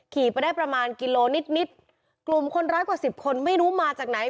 ขี่ไปได้ประมาณกิโลนิดนิดกลุ่มคนร้ายกว่าสิบคนไม่รู้มาจากไหน